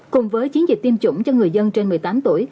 cùng với chiến dịch tiêm chủng cho người dân trên một mươi tám tuổi